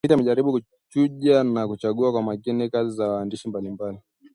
mtafiti amejaribu kuchuja na kuchagua kwa makini kazi za waandishi mbalimbali